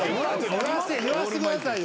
言わせてくださいよ。